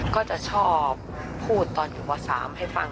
ก็จะชอบพูดตอนอยู่ม๓ให้ฟัง